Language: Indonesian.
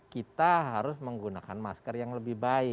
kita harus menggunakan masker yang lebih baik